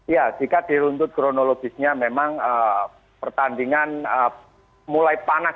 ya jika diruntut kronologisnya memang pertandingan mulai panas